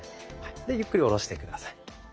ゆっくり下ろして下さい。